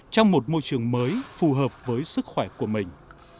trong một môi trường mới phù hợp với sức khỏe của mình